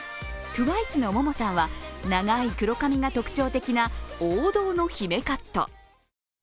ＴＷＩＣＥのモモさんは長い黒髪が特徴的な王道の姫カット。